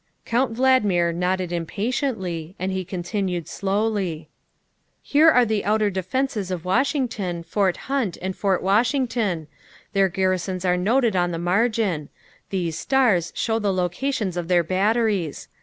'' Count Valdmir nodded impatiently, and he continued slowly :" Here are the outer defences of Washington, Fort Hunt and Fort Washington; their garrisons are noted on the margin ; these stars show the locations of their batteries.